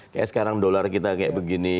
kayak sekarang dolar kita kayak begini